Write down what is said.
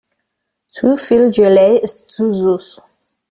Zu viel Gelee ist zu süß.